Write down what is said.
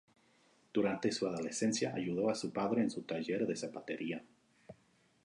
Durante su adolescencia, ayudó a su padre en su taller de zapatería.